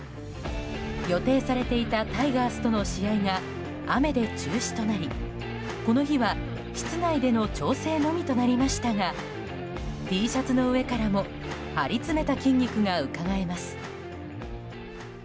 予定されていたタイガースとの試合が雨で中止となりこの日は室内での調整のみとなりましたがＴシャツの上からも張り詰めた筋肉がうかがえます。